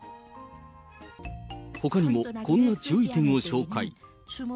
ほかにもこんな注意点を紹介。